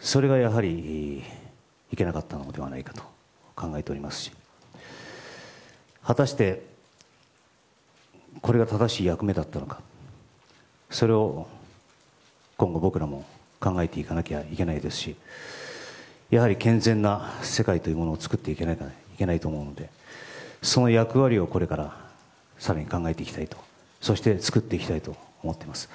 それがやはりいけなかったのではないかと考えておりますし果たしてこれが正しい役目だったのかそれを今後、僕らも考えていかなきゃいけないですしやはり健全な世界というものを作っていかなければいけないと思うのでその役割をこれから更に考えていきたいとそして作っていきたいと思います。